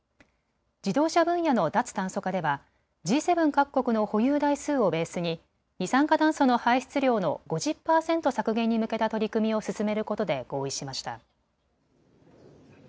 自動車分野の脱炭素化ではＧ７各国の保有台数をベースに二酸化炭素の排出量の５０％削減に向けた取り組みを進めることで合意しました。